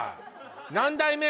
何代目？